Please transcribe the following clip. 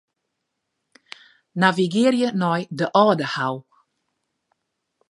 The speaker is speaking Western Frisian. Navigearje nei de Aldehou.